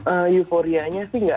euforianya sih nggak nggak